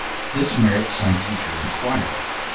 This merits some future inquiry.